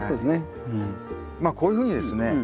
まあこういうふうにですね